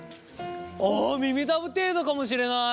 ああ耳たぶ程度かもしれない。